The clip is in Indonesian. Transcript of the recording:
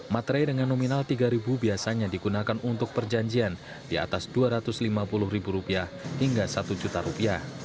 materai dengan nominal rp tiga biasanya digunakan untuk perjanjian di atas rp dua ratus lima puluh hingga rp satu